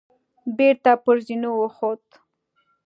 بېرته پر زينو وخوت.